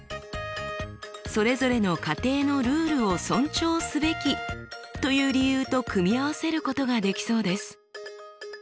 「それぞれの家庭のルールを尊重すべき」という理由と組み合わせることができそうです。